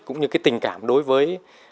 cũng như tình cảm đối với